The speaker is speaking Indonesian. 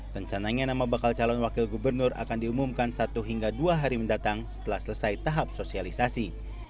rencananya nama bakal calon wakil gubernur akan diumumkan satu hingga dua hari mendatang setelah selesai tahap sosialisasi